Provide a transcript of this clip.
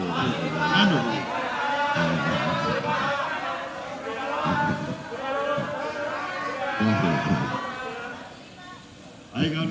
singkirkan singkirkan singkirkan singkirkan